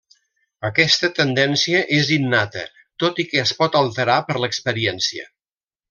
Aquesta tendència és innata, tot i que es pot alterar per l'experiència.